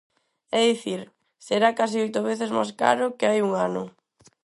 É dicir, será case oito veces máis caro que hai un ano.